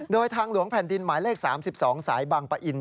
โดยทางหลวงแผ่นดินหมายเลข๓๒สายบางปะอิน